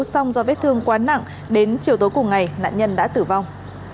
xong do vết thương quá nặng đến chiều tối cùng ngày nạn nhân đã tử vong